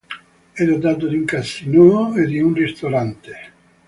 È dotato di un casinò e di un ristorante.